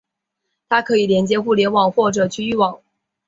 它可以连接互联网或者局域网。